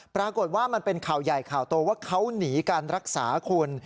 ปรากฏว่ามันเป็นข่าวใหญ่ข่าวโตว่าเขาหนีการรักษาคุณ